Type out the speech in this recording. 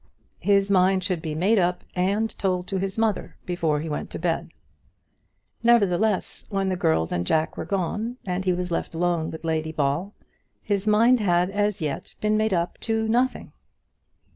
His mind should be made up and told to his mother before he went to bed. Nevertheless, when the girls and Jack were gone, and he was left alone with Lady Ball, his mind had as yet been made up to nothing!